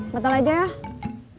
batal aja ya